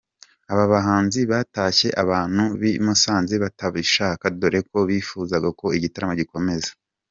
Aba bahanzi batashye abantu b'i Musanze batabishaka dore ko bifuzaga ko igitaramo gikomeza.